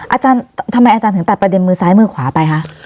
อาจารย์ทำไมอาจารย์ถึงตัดประเด็นมือซ้ายมือขวาไปคะ